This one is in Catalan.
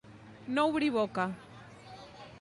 No obrir boca.